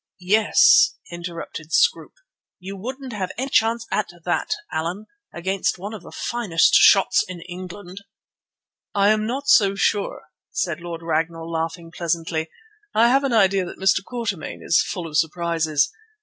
"Yes," interrupted Scroope, "you wouldn't have any chance at that, Allan, against one of the finest shots in England." "I'm not so sure," said Lord Ragnall, laughing pleasantly. "I have an idea that Mr. Quatermain is full of surprises.